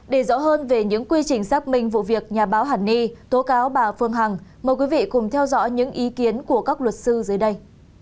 để rõ hơn về những quy trình xác minh vụ việc nhà báo hàn ni tố cáo bà phương hằng mời quý vị cùng theo dõi những ý kiến của các luật sư dưới đây